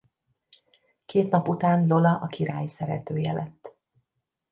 Két nap után Lola a király szeretője lett.